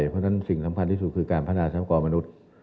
เพราะฉะนั้นสิ่งสำคัญที่สุดคือการพัฒนาทรัพกรมนุษย์